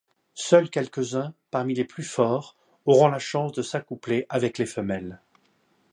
Seuls quelques-uns, parmi les plus forts, auront la chance de s'accoupler avec les femelles.